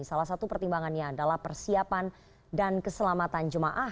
salah satu pertimbangannya adalah persiapan dan keselamatan jemaah